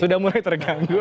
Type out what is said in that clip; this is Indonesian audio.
sudah mulai terganggu